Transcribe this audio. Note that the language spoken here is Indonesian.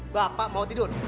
bapak mau tidur